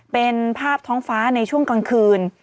เป็นภาพท้องฟ้าในช่วงกลางคืน